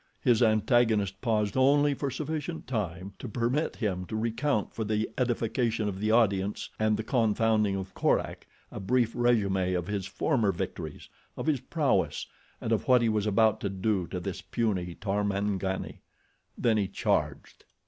His antagonist paused only for sufficient time to permit him to recount for the edification of the audience and the confounding of Korak a brief résumé of his former victories, of his prowess, and of what he was about to do to this puny Tarmangani. Then he charged.